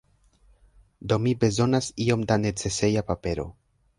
Do mi bezonas iom da neceseja papero.